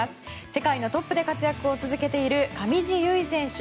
世界のトップで活躍を続けている上地結衣選手。